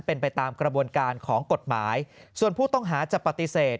เป็นไปตามกระบวนการของกฎหมายส่วนผู้ต้องหาจะปฏิเสธ